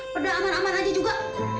pada aman aman aja juga